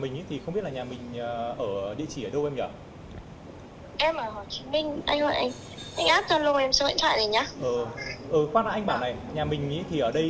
mình sẽ gọi anh bảo bình để anh bảo trong lúc mình đi